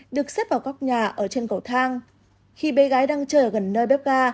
được xếp vào góc nhà ở trên cầu thang khi bé gái đang chơi ở gần nơi bếp ga